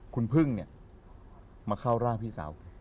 คุณพึ่งเนี่ยมาเข้าร่างพี่สาว